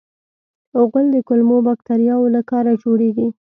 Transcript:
غول د کولمو باکتریاوو له کاره جوړېږي.